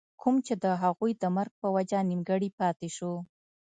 کوم چې َد هغوي د مرګ پۀ وجه نيمګري پاتې شو